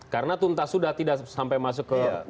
karena tuntas sudah tidak sampai masuk ke pokok perkara